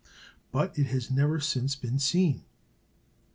But it has never since been seen.